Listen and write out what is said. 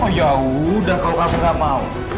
oh yaudah kalau kamu gak mau